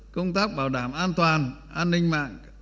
công tác bảo đảm an toàn an ninh mạng